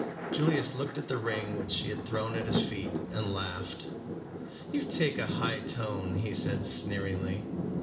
Julius looked at the ring which she had thrown at his feet, and laughed. "You take a high tone," he said sneeringly.